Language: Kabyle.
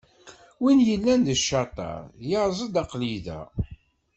Win yellan d ccaṭer, yaẓ-d aql-i da.